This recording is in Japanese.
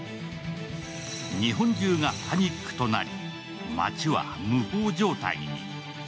日本中がパニックとなり街は無法状態に。